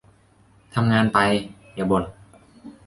ทำงานไป อย่าบ่น